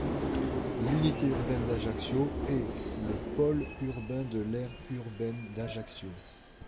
L'unité urbaine d'Ajaccio est le pôle urbain de l'aire urbaine d'Ajaccio.